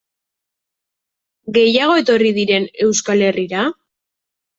Gehiago etorri diren Euskal Herrira?